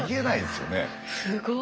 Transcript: すごい。